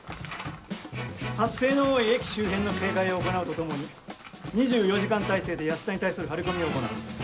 発生の多い駅周辺の警戒を行うとともに２４時間態勢で安田に対する張り込みを行う。